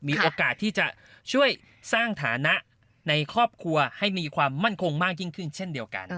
มีโอกาสที่จะช่วยสร้างฐานะในครอบครัวให้มีความมั่นคงมากยิ่งขึ้นเช่นเดียวกัน